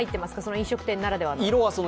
飲食店ならではの。